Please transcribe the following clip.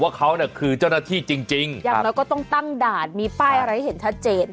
ว่าเขาเนี่ยคือเจ้าหน้าที่จริงจริงอย่างน้อยก็ต้องตั้งด่านมีป้ายอะไรให้เห็นชัดเจน